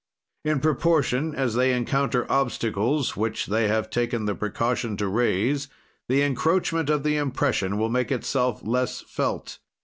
"In proportion as they encounter obstacles, which they have taken the precaution to raise, the encroachment of the impression will make itself less felt.